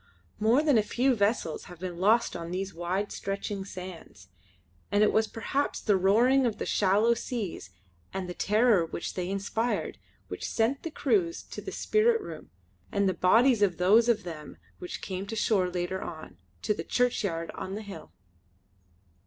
More than a few vessels have been lost on these wide stretching sands, and it was perhaps the roaring of the shallow seas and the terror which they inspired which sent the crews to the spirit room and the bodies of those of them which came to shore later on, to the churchyard on the hill.